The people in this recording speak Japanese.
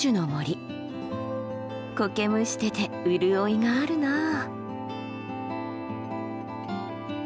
コケむしてて潤いがあるなあ。